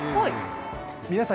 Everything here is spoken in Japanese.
皆さん